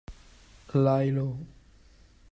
Lie low